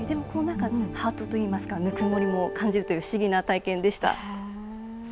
ハートといいますか、ぬくもりを感じるという不思議な体験でした。